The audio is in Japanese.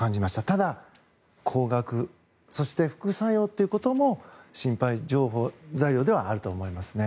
ただ、高額そして副作用ということも心配材料ではあると思いますね。